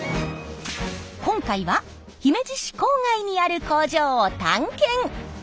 今回は姫路市郊外にある工場を探検！